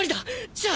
じゃあ！！